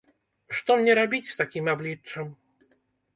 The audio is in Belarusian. Што мне рабіць з такім абліччам?